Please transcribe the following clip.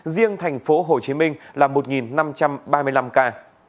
riêng thành phố hồ chí minh là một năm trăm ba mươi năm ca